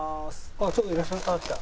あっちょうどいらっしゃいました。